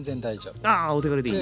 ああお手軽でいいね。